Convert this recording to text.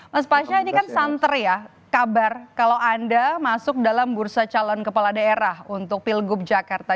mas pasya ini kan santer ya kabar kalau anda masuk dalam bursa calon kepala daerah untuk pilgub jakarta